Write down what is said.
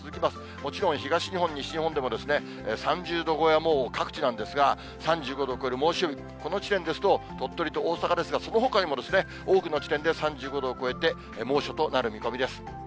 もちろん東日本、西日本でも、３０度超えはもう各地なんですが、３５度を超える猛暑日、この地点ですと鳥取と大阪ですが、そのほかにも多くの地点で３５度を超えて、猛暑となる見込みです。